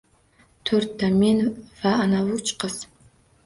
— To’rtta. Men va anavi uch qiz.